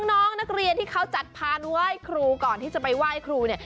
น้องนักเรียนที่เขาจัดพานไหว้ครูก่อนที่จะไปไหว้ครูเนี่ย